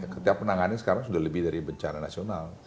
ketika penanganan sekarang sudah lebih dari bencana nasional